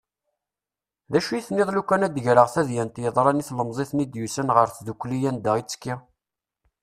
D acu i tenniḍ lukan ad greɣ tadyant yeḍran i tlemẓit-nni i d-yusan ɣer tddukli anda i ttekkiɣ.